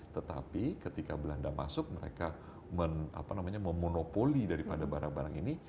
tetapi ketika belanda masuk mereka memonopoli daripada barang barang ini